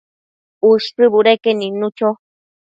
Ushë budeque nidnu cho